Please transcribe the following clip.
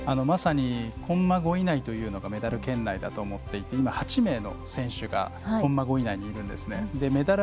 まさにコンマ５位内というのがメダル圏内だと思っていて８名の選手がコンマ５以内にいるんですね。